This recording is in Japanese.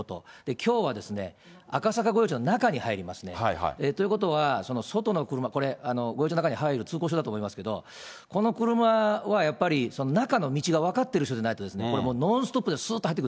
きょうは、赤坂御用地の中に入りますね。ということは、外の車、これ、御用所の中に入る通行証だと思いますけど、この車はやっぱり中の道が分かっている人じゃないと、ノンストッ本当ですね。